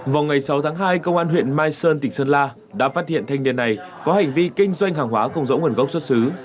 vào ngày sáu tháng hai công an huyện mai sơn tỉnh sơn la đã phát hiện thanh niên này có hành vi kinh doanh hàng hóa không rõ nguồn gốc xuất xứ